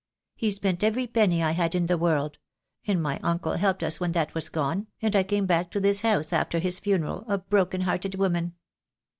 He spent every penny I had in the world, and my uncle helped us when that was gone, and I came back to this house after his funeral a broken hearted woman.